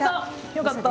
よかった！